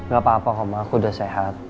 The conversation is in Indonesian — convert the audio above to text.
gak apa apa aku udah sehat